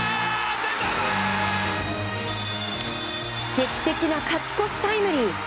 劇的な勝ち越しタイムリー！